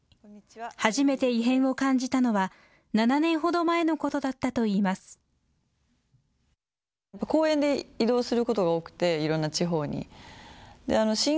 初めて異変を感じたのは７年ほど前のことだったといいます。